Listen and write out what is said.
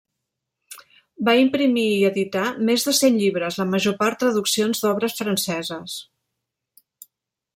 Va imprimir i editar més de cent llibres, la major part traduccions d'obres franceses.